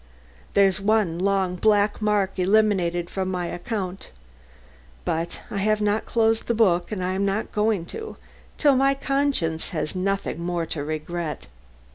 There's one long black mark eliminated from my account. But I have not closed the book, and I am not going to, till my conscience has nothing more to regret.